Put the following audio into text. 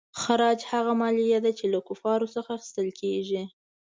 خراج هغه مالیه ده چې له کفارو څخه اخیستل کیږي.